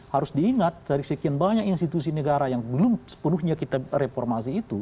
harus diingat dari sekian banyak institusi negara yang belum sepenuhnya kita reformasi itu